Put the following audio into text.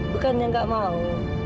bukannya gak mau